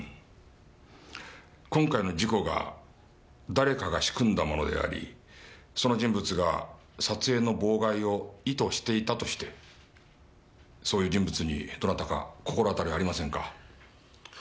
今回の事故が誰かが仕組んだものでありその人物が撮影の妨害を意図していたとしてそういう人物にどなたか心当たりありませんか？